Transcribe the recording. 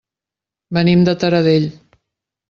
Venim de Taradell.